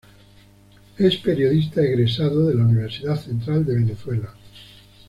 Es periodista egresado de la Universidad Central de Venezuela.